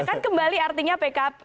kan kembali artinya pkp